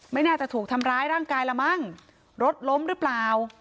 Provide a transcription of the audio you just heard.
ไม่น่าจะถูกทำร้ายร่างกายละมั้งรถล้มหรือเปล่า